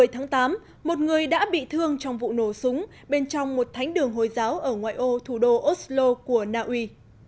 tháng tám một người đã bị thương trong vụ nổ súng bên trong một thánh đường hồi giáo ở ngoại ô thủ đô oslo của na uy